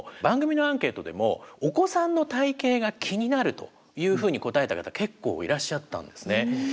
番組のアンケートでも「お子さんの体型が気になる」というふうに答えた方結構いらっしゃったんですね。